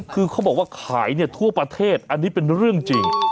คือเขาบอกว่าขายเนี่ยทั่วประเทศอันนี้เป็นเรื่องจริง